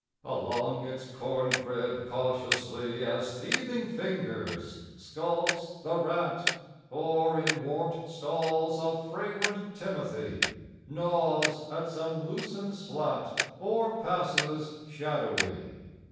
Along its corn crib, cautiously As thieving fingers, skulks the rat; Or, in warped stalls of fragrant timothy, Gnaws at some loosened slat, Or passes shadowy.